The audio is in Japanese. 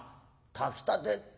炊きたて？